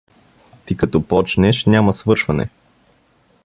Ти като почнеш, няма свършване.